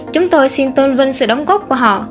chúng tôi xin tôn vinh sự đóng góp của họ